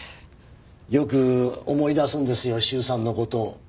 よく思い出すんですよ修さんの事を。